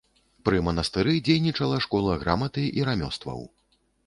Пры манастыры дзейнічала школа граматы і рамёстваў.